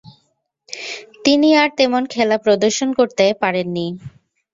তিনি আর তেমন খেলা প্রদর্শন করতে পারেননি।